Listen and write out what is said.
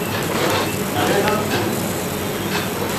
Nɣiɣ-am-tent.